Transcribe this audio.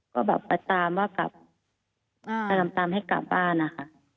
ก็แบบไปตามว่ากลับไปตามตามให้กลับบ้านนะคะ